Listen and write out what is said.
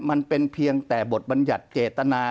มันเป็นเพียงแต่บทบัญญัติเจตนา